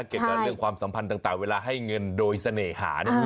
เกี่ยวกับเรื่องความสัมพันธ์ต่างเวลาให้เงินโดยเสน่หาเนี่ย